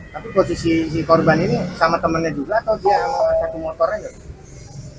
tapi posisi si korban ini sama temannya juga atau dia mau satu motornya nggak